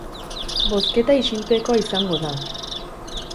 Bozketa isilpekoa izango da.